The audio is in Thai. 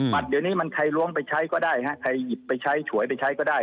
บัตรเดี๋ยวนี้มันใครล้วงไปใช้ก็ได้ฮะใครหยิบไปใช้ฉวยไปใช้ก็ได้